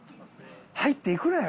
入っていくなよ